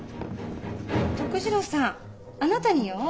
徳次郎さんあなたによ。